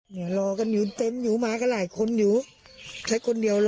อยู่ลองคุณอยู่เต็มอยู่มาก็หลายคนอยู่ได้คนเดียวละ